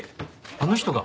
あの人が？